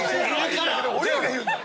俺らが言うんだ。